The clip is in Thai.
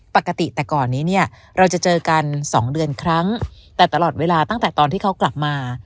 ปกติแต่ก่อนนี้เนี่ยเราจะเจอกันสองเดือนครั้งแต่ตลอดเวลาตั้งแต่ตอนที่เขากลับมา